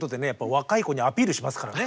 若い子にアピールしますからね。